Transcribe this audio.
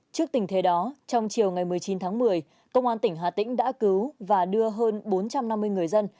trước tình thế đó trong chiều ngày một mươi chín tháng một mươi công an tỉnh hà tĩnh đã cứu và đưa hơn bốn trăm năm mươi người dân